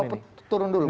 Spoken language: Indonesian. oh turun dulu